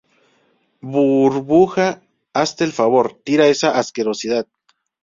burbuja, haz el favor, tira esta asquerosidad